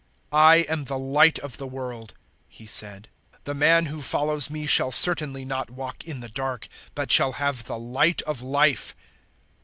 "I am the Light of the world," He said; "the man who follows me shall certainly not walk in the dark, but shall have the light of Life."